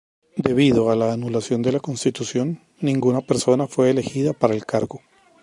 Debido a la anulación de la Constitución, ninguna persona fue elegida para el cargo.